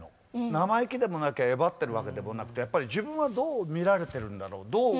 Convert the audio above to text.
生意気でもなきゃえばってるわけでもなくてやっぱり自分はどう見られてるんだろうどう映ってるんだろう。